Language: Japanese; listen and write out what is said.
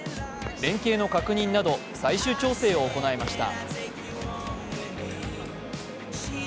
連係の確認など最終調整を行いました。